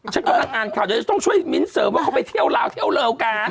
ฉันกำลังอ่านข่าวเดี๋ยวจะต้องช่วยมิ้นเสริมว่าเขาไปเที่ยวลาวเที่ยวเลวกัน